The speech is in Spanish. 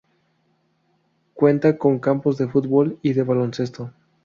Cuenta con campos de fútbol y de baloncesto.